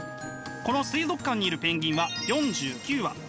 この水族館にいるペンギンは４９羽。